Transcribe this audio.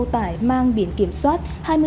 tải mang biển kiểm soát